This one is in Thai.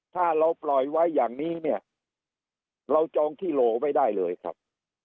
ถ้าเราปล่อยไว้อย่างนี้เนี่ยเราจองที่โหลไว้ได้เลยครับ